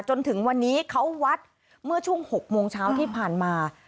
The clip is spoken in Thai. จนถึงวันนี้เขาวัดเมื่อช่วง๖โมงเช้าที่ผ่านมา